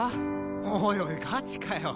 おいおいガチかよ。